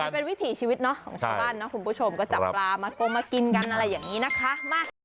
เป็นวิถีชีวิตเนาะของชาวบ้านนะคุณผู้ชมก็จับปลามากงมากินกันอะไรอย่างนี้นะคะ